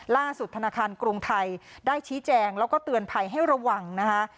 ธนาคารกรุงไทยได้ชี้แจงแล้วก็เตือนภัยให้ระวังนะคะ